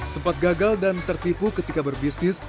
sempat gagal dan tertipu ketika berbisnis